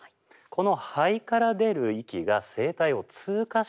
この肺から出る息が声帯を通過して鳴っています。